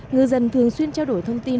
ngư dân thường xuyên trao đổi thông tin